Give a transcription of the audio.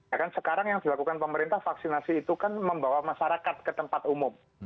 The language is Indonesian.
ya kan sekarang yang dilakukan pemerintah vaksinasi itu kan membawa masyarakat ke tempat umum